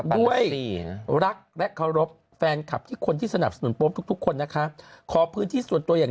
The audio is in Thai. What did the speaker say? ด้วยรักและเคารพแฟนคลับที่คนที่สนับสนุนโป๊ปทุกทุกคนนะคะขอพื้นที่ส่วนตัวอย่าง